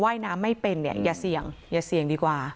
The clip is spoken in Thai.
ยน้ำไม่เป็นเนี่ยอย่าเสี่ยงอย่าเสี่ยงดีกว่า